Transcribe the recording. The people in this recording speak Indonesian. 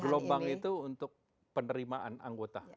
gelombang itu untuk penerimaan anggota